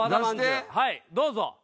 どうぞ。